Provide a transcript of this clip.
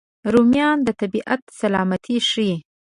رومیان د طبیعت سلامتي ښيي